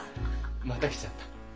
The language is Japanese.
また来ちゃった。